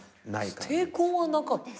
抵抗はなかった。